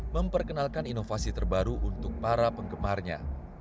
memperkenalkan inovasi terbaru untuk para penggemarnya